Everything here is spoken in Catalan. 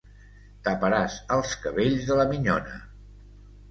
Taparàs els cabells de la minyona.